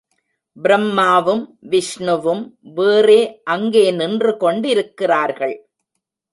பிரம்மாவும் விஷ்ணுவும் வேறே அங்கே நின்று கெண்டிருக்கிறார்கள்.